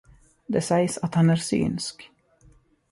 Det sägs att han är synsk.